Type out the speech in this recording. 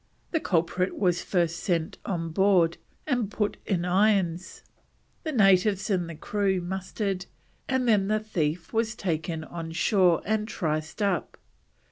The culprit was first sent on board and put in irons, the natives and the crew mustered, and then the thief was taken on shore and triced up.